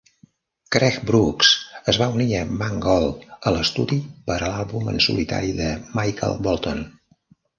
Craig Brooks es va unir a Mangold a l'estudi per a l'àlbum en solitari de Michael Bolton.